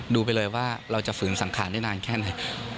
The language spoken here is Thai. ดูไปเลยว่าเราจะฝืนสังขารได้นานแค่ไหน